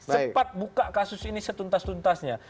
cepat buka kasus ini setuntas tuntasnya